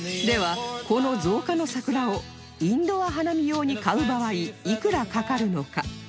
ではこの造花の桜をインドア花見用に買う場合いくらかかるのか？